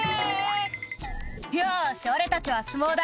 「よし俺たちは相撲だ」